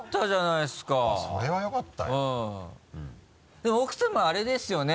でも奥さまあれですよね？